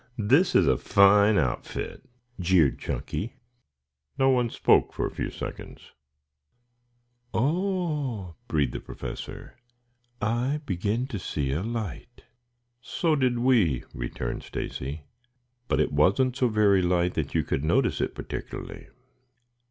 Oh, this is a fine outfit!" jeered Chunky. No one spoke for a few seconds. "Ah!" breathed the Professor. "I begin to see a light." "So did we," returned Stacy. "But it wasn't so very light that you could notice it particularly."